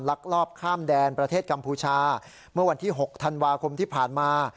ลักลอบข้ามแดนประเทศกัมพูชาเมื่อวันที่๖ธันวาคมที่ผ่านมา